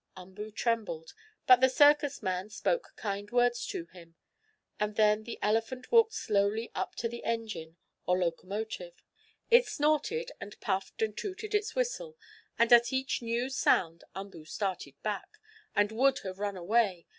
Umboo trembled, but the circus man spoke kind words to him, and then the elephant walked slowly up to the engine, or locomotive. It snorted and puffed and tooted its whistle, and at each new sound Umboo started back, and would have run away.